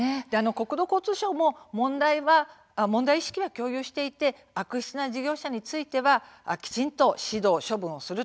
国土交通省も問題意識は共有していて悪質な事業者についてはきちんと指導、処分する。